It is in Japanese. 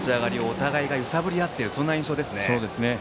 お互いが揺さぶり合っている印象です。